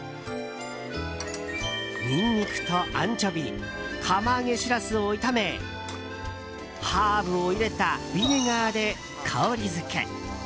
ニンニクとアンチョビ釜揚げシラスを炒めハーブを入れたビネガーで香りづけ。